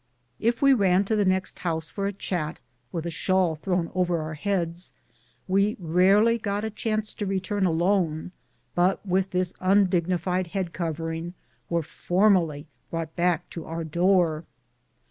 If we ran to the next house for a chat, with a shawl thrown over our heads, we rarely got a chance to return alone, but with this undignified head covering were formally brought back to our door